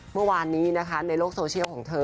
เมื่อวานนี้นะคะในโลกโซเชียลของเธอ